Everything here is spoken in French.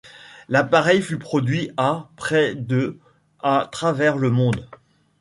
L'appareil fut produit à près de à travers le monde.